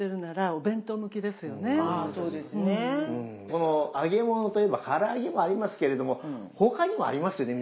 この揚げ物といえばから揚げもありますけれども他にもありますよね